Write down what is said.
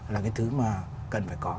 là cái thứ mà cần phải có